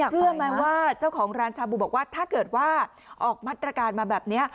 เชื่อไหมว่าเจ้าของร้านชาบูบอกว่าถ้าเกิดว่าออกมาตรการมาแบบนี้